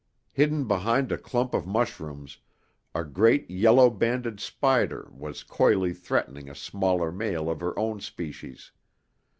Hidden behind a clump of mushrooms, a great yellow banded spider was coyly threatening a smaller male of her own species.